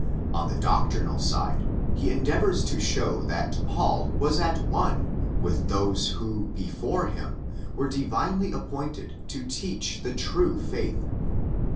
On the doctrinal side he endeavours to show that Paul was at one with those who before him were divinely appointed to teach the true faith.